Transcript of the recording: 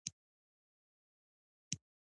د انجونو زده کړي زياتي مهمي دي.